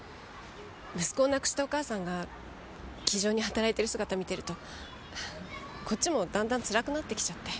息子を亡くしたお母さんが気丈に働いてる姿見てるとこっちも段々つらくなってきちゃって。